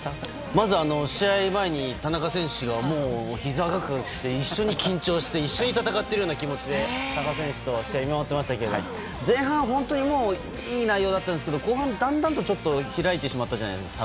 まず、試合前に田中選手がもうひざがガクガクして一緒に緊張して一緒に戦ってるような気持ちで田中選手と試合、見守っていましたけど前半は本当にいい内容だったんですが後半、だんだんと差が開いてしまったじゃないですか。